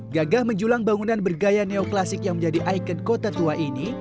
gagah menjulang bangunan bergaya neoklasik yang menjadi ikon kota tua ini